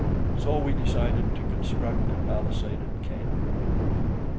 So we decided to construct a palisaded camp.